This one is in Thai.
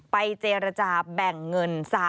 ไปเจรจาแบ่งเงิน